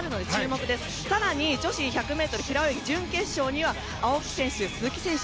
更に女子１００ｍ平泳ぎ準決勝には青木選手、鈴木選手。